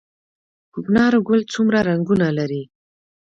کوکنارو ګل څومره رنګونه لري؟